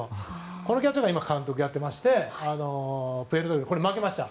このキャッチャーが監督をやっておりましてプエルトリコに負けました。